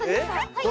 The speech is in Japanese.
はい。